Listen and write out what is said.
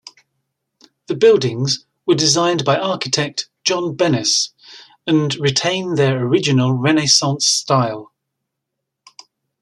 The buildings were designed by architect John Bennes and retain their original Renaissance style.